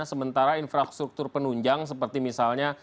sementara infrastruktur penunjang seperti misalnya